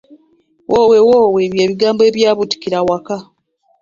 Woowe woowe bye bigambo ebyabuutikira awaka.